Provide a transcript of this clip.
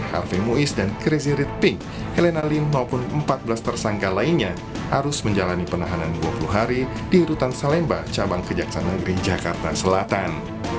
harvey mois dan crazy red pink helena lim maupun empat belas tersangka lainnya harus menjalani penahanan dua puluh hari di rutan salemba cabang kejaksanagri jakarta selatan